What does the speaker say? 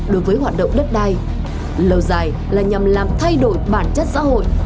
đối với hoạt động đất đai lâu dài là nhằm làm thay đổi bản chất xã hội